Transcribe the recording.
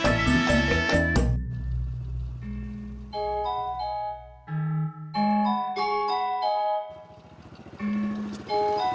masa mata juga terpopulin